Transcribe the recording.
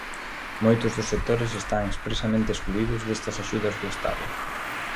Moitos dos sectores están expresamente excluídos destas axudas do Estado.